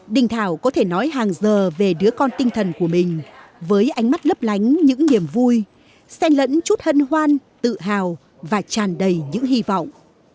đình thảo có thể nói hàng giờ về đứa con tinh thần của mình với ánh mắt lấp lánh những niềm vui sen lẫn chút hân hoan tự hào và tràn đầy những hy vọng